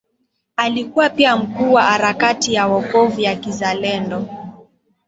Alikuwa pia mkuu wa Harakati ya Wokovu ya Kizalendo